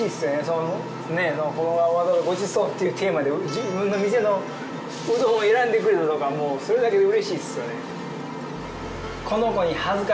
その子はわざわざ「ごちそう」っていうテーマで自分の店のうどんを選んでくれたことがもうそれだけでうれしいっすよね